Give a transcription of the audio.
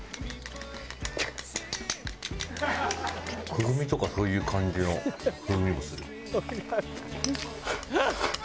クルミとかそういう感じの風味もする。